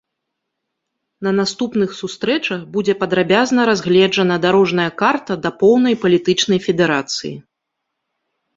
На наступных сустрэчах будзе падрабязна разгледжана дарожная карта да поўнай палітычнай федэрацыі.